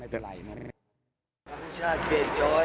พิชาเกดย้อย